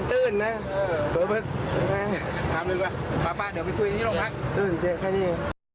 ถึงที่นี่แค่นี้